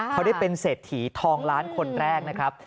เขาได้เป็นเศรษฐีทองล้านคนแรกนะครับ